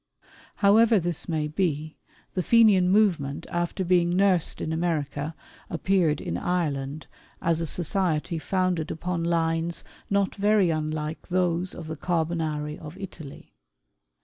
However this may be, the Fenian movement after being nursed in America, appeared in Ireland, as a society founded upon lines not very unlike those of the Carbonari of Italy.